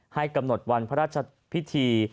ให้กำหนดวันพระราชพิธี